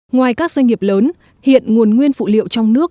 ngoài các doanh nghiệp lớn hiện nguồn nguyên phụ liệu trong nước